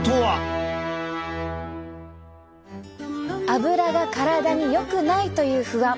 アブラが体によくないという不安。